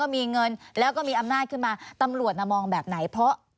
๔๐อัดคดีเฉพาะตัว๘นะคะ